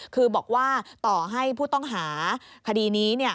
คือบอกว่าต่อให้ผู้ต้องหาคดีนี้